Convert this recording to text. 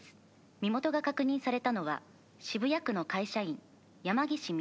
「身元が確認されたのは渋谷区の会社員山岸ミユキさん